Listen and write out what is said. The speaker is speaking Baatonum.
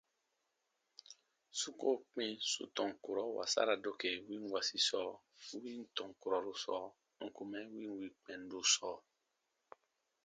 Su koo kpĩ sù tɔn kurɔ wasara doke win wasi sɔɔ, win tɔn kurɔru sɔɔ ǹ kun mɛ win wii kpɛndu sɔɔ.